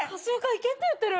行けって言ってる。